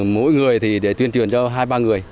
mỗi người thì để tuyên truyền cho hai ba người